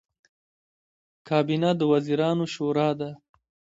کابینه د وزیرانو شورا ده